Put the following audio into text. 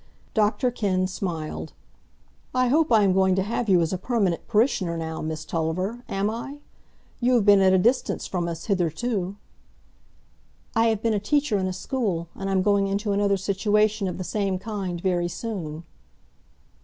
Dr Kenn smiled. "I hope I'm going to have you as a permanent parishioner now, Miss Tulliver; am I? You have been at a distance from us hitherto." "I have been a teacher in a school, and I'm going into another situation of the same kind very soon."